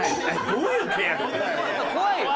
怖い。